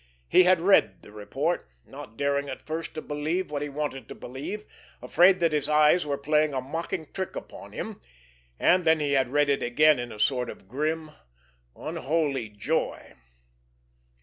He had read the report, not daring at first to believe what he wanted to believe, afraid that his eyes were playing a mocking trick upon him—and then he had read it again in a sort of grim, unholy joy.